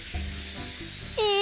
え